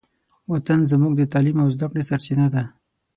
وطن زموږ د تعلیم او زدهکړې سرچینه ده.